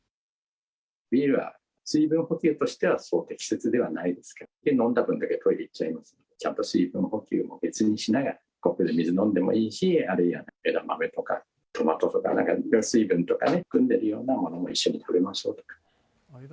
ビールは水分補給としては、適切ではないですけど、飲んだ分だけやっぱ行っちゃいますので、ちゃんと水分補給も別にしながら、コップで水を飲んでもいいし、あるいは枝豆とか、トマトとか水分を含んでいるようなものも一緒に取りましょうと。